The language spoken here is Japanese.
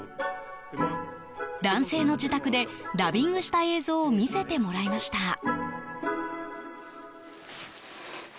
男性の自宅でダビングした映像を見せてもらいました。